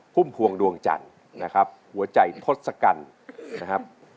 พุ่มพวงดวงจันทร์นะครับหัวใจทศกัณฐ์นะครับ